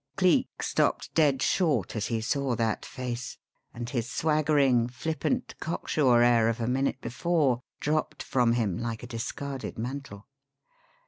Cleek stopped dead short as he saw that face, and his swaggering, flippant, cocksure air of a minute before dropped from him like a discarded mantle.